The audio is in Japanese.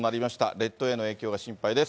列島への影響が心配です。